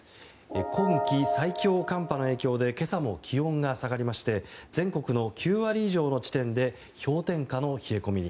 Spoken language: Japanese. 今季最強寒波の影響で今朝も気温が下がりまして全国の９割以上の地点で氷点下の冷え込みに。